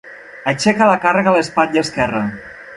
Aixeca la càrrega a l'espatlla esquerra.